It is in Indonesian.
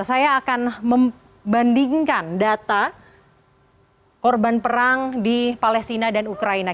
saya akan membandingkan data korban perang di palestina dan ukraina